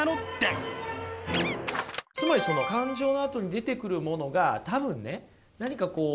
つまりその感情のあとに出てくるものが多分ね何かこう